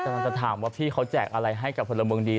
กำลังจะถามว่าพี่เขาแจกอะไรให้กับพลเมืองดี